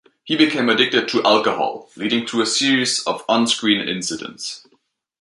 He became addicted to alcohol, leading to a series of on-screen incidents.